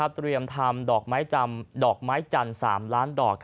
เตรียมทำดอกไม้จำ๓ล้านดอก